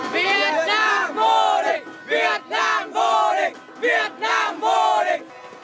việt nam vô địch việt nam vô địch việt nam vô địch